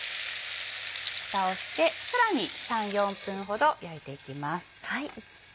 ふたをしてさらに３４分ほど焼いていきます。